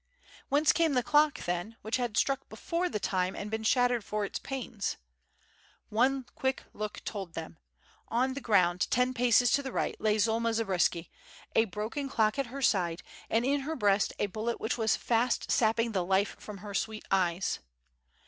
Whence came the clock, then, which had struck before the time and been shattered for its pains? One quick look told them. On the ground, ten paces to the right, lay Zulma Zabriskie, a broken clock at her side, and in her breast a bullet which was fast sapping the life from her sweet eyes.